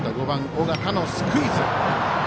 尾形のスクイズ。